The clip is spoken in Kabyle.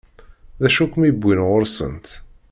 D acu i kem-iwwin ɣur-sent?